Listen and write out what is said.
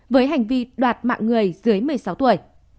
với hành vi đoạt mạng người dưới một mươi sáu tuổi